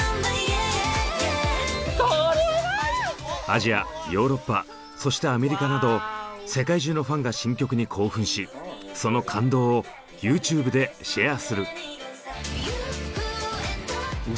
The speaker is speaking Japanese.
アジアヨーロッパそしてアメリカなど世界中のファンが新曲に興奮しその感動をＹｏｕＴｕｂｅでシェアする。